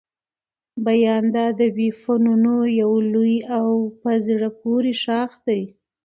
بیان د ادبي فنونو يو لوی او په زړه پوري ښاخ دئ.